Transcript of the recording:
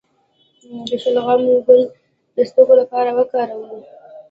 د شلغم ګل د سترګو لپاره وکاروئ